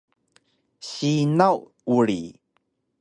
sinaw uri